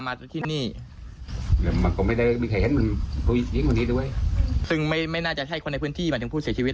มันก็ต้องมีการแก้งมั้งเลย